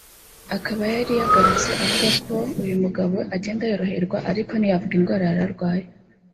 akaba yari yagarutse avuga ko uyu mugabo agenda yoroherwa ariko ntiyavuga indwara yari arwaye